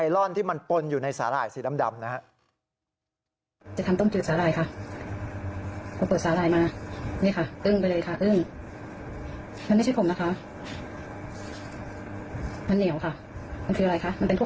อึ้งมันไม่ใช่ผมนะคะมันเหนียวค่ะมันคืออะไรคะมันเป็นพวก